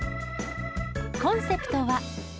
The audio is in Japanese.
コンセプトは。